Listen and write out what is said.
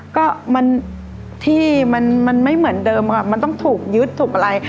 ก็มันที่มันไม่เหมือนเดิมค่ะมันต้องถูกยึดถูกอะไร